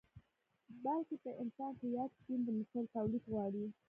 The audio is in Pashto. بلکې په انسان کې ياد جېن د مثل توليد غواړي.